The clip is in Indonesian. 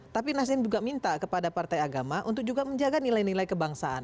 tapi nasdem juga minta kepada partai agama untuk juga menjaga nilai nilai kebangsaan